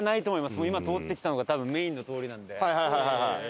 もう今通ってきたのが多分メインの通りなんで。